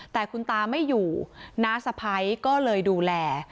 แต่คุณตาไม่อยู่น้าสะพ้ายก็เลยดูแล